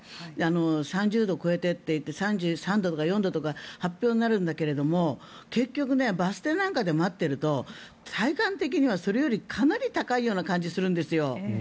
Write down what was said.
３０度を超えてといって３３度とか３４度とか発表になるんだけども結局バス停なんかで待っていると体感的にはそれよりかなり高い感じがするんですよ。